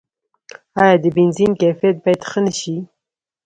آیا د بنزین کیفیت باید ښه نشي؟